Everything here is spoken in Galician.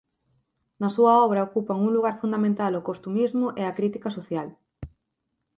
Na súa obra ocupan un lugar fundamental o costumismo e a crítica social.